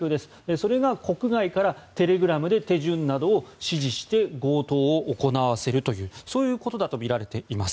それが国外からテレグラムで手順などを指示して強盗を行わせるということだとみられています。